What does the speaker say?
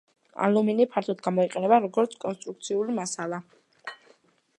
ალუმინი ფართოდ გამოიყენება როგორც კონსტრუქციული მასალა.